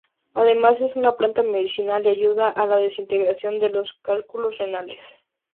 Además es una planta medicinal, ayuda a la desintegración de los cálculos renales.